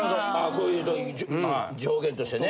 こういう条件としてね。